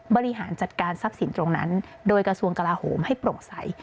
บริหารจัดการทรัพย์สินตรงนั้นโดยกระทรวงกลาโหมให้โปร่งใส